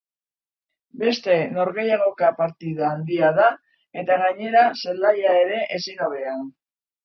Beste norgehiagoka partida handia da eta gainera zelaia ere ezin hobea.